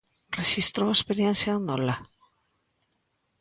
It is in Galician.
Rexistrou a experiencia en Nola?